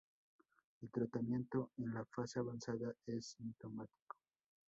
El tratamiento en la fase avanzada es sintomático.